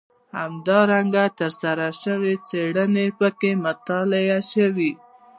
همدارنګه ترسره شوې څېړنې پکې مطالعه شوي.